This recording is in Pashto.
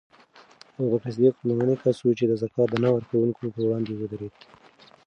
ابوبکر صدیق لومړنی کس و چې د زکات د نه ورکوونکو پر وړاندې ودرېد.